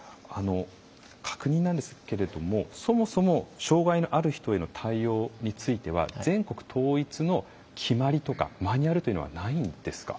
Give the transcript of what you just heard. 確認なんですけれどもそもそも障害のある人への対応については全国統一の決まりとかマニュアルというのはないんですか？